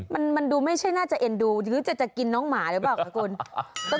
มันดูไม่ใช่น่าจะเอ็นดูหรือจะกินน้องหมาหรือเปล่าคะคุณ